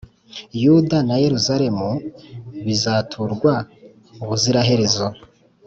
Yuda na Yeruzalemu bizaturwa ubuziraherezo,